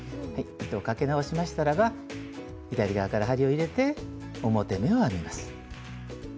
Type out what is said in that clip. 糸をかけ直しましたらば左側から針を入れて表目を編みます。